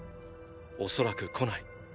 おそらく来ない。